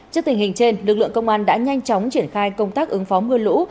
trước tình hình trên lực lượng công an đã nhanh chóng triển khai công tác ứng phó mưa lũ